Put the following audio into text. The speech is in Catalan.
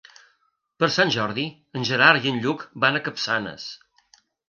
Per Sant Jordi en Gerard i en Lluc van a Capçanes.